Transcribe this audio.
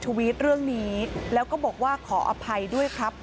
วิทเรื่องนี้แล้วก็บอกว่าขออภัยด้วยครับ